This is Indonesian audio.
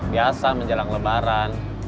biasa menjelang lebaran